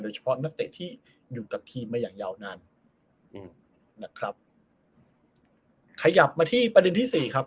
เฉพาะนักเตะที่อยู่กับทีมมาอย่างยาวนานอืมนะครับขยับมาที่ประเด็นที่สี่ครับ